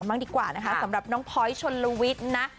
บ้างดีกว่านะคะสำหรับน้องพลอยชนลวิทย์นะ